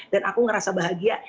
dan aku ngerasa bahagia